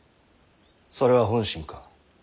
それは本心か？